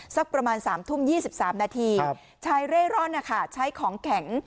สักประมาณสามทุ่มยี่สิบสามนาทีใช้เร่ร่อนใช้ของแข็ง